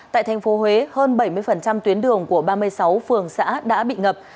tại thành phố huế hơn bảy mươi tuyến đường của ba mươi sáu phường xã đã bị ngập